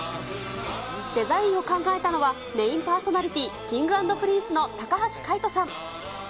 デザインを考えたのは、メインパーソナリティー、Ｋｉｎｇ＆Ｐｒｉｎｃｅの高橋海人さん。